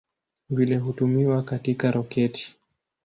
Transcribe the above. Vile hutumiwa katika roketi.